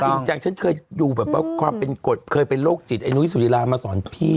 จริงจังฉันเคยดูแบบว่าความเป็นกฎเคยเป็นโรคจิตไอ้นุ้ยสุริรามาสอนพี่